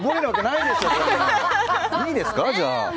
いいですか？